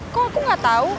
kok aku nggak tahu